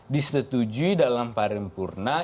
disetujui dalam pari purna